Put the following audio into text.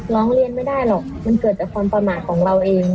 ร้องเรียนไม่ได้หรอกมันเกิดจากความประมาทของเราเอง